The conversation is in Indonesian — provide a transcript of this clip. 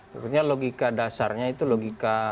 sebenarnya logika dasarnya itu logika